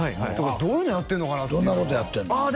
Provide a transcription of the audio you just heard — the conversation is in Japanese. どういうのやってんのかなってどんなことやってんの？